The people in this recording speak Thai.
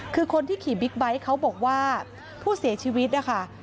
คือคนที่ขี่บิ๊กไบท์เขาบอกว่าผู้เสียชีวิตนะคะ